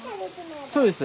そうです。